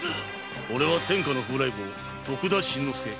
オレは天下の風来坊徳田新之助。